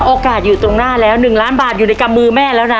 โอกาสอยู่ตรงหน้าแล้ว๑ล้านบาทอยู่ในกำมือแม่แล้วนะ